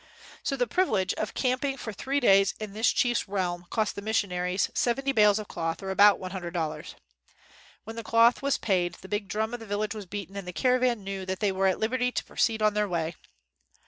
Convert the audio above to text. So the privilege of camping for three days in this chief's realm, cost the missionaries seventy bales of cloth or about $100. When the cloth was paid the big drum of the village was beaten and the caravan knew 45 WHITE MAN OF WORK that they were at liberty to proceed on their way.